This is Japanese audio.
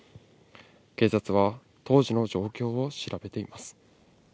警察は、当時の状況を調べています。